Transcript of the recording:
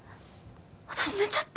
私寝ちゃった！？